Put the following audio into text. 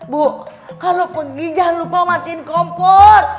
bu kalau pergi jangan lupa matiin kompor